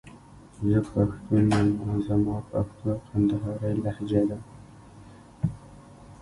زه پښتون يم او زما پښتو کندهارۍ لهجه ده.